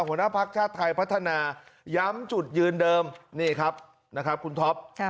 หัวหน้าภักดิ์ชาติไทยพัฒนาย้ำจุดยืนเดิมนี่ครับนะครับคุณท็อป